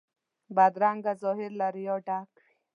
بدرنګه ظاهر له ریا ډک وي